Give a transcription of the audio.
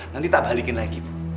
nanti tak balikin lagi